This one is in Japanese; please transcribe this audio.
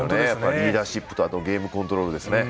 リーダーシップとゲームコントロール